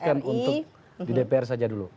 bukan untuk di dpr saja dulu